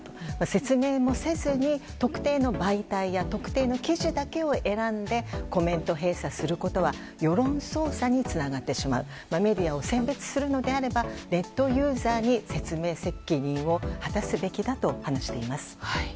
説明もせずに特定の媒体や特定の記事だけを選んでコメント閉鎖することは世論操作につながってしまうメディアを選別するのであればネットユーザーに説明責任を果たすべきだと話しています。